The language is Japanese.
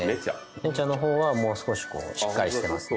芽茶の方はもう少しこうしっかりしてますね。